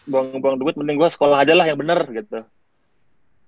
buang buang duit mending gue sekolah aja lah yang bener gitu